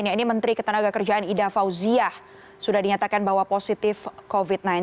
ini menteri ketenaga kerjaan ida fauziah sudah dinyatakan bahwa positif covid sembilan belas